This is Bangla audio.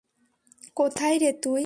কোথায় রে তুই?